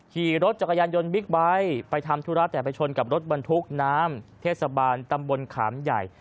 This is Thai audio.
ขี่รถจักรยานยนต์บิ๊กไบท์ไปทำธุระแต่ไปชนกับรถบรรทุกน้ำเทศบาลตำบลขามใหญ่